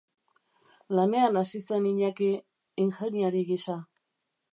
Lanean hasi zen Iñaki, ingeniari gisa.